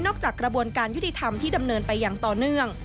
จากกระบวนการยุติธรรมที่ดำเนินไปอย่างต่อเนื่อง